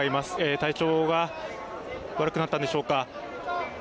体調が悪くなったんでしょうか。